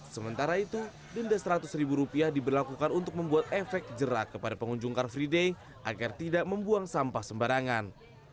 sementara itu denda seratus ribu rupiah diberlakukan untuk membuat efek jerak kepada pengunjung car free day agar tidak membuang sampah sembarangan